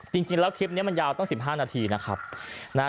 จริงแล้วคลิปเนี้ยมันยาวต้องสิบห้านาทีนะครับนะฮะ